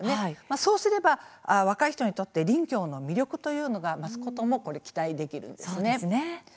そうすれば若い人にとっても林業の魅力というのが増すことも期待できるんですね。